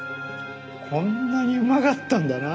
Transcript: こんなにうまかったんだな。